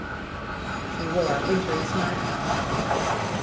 She wore a wintry smile.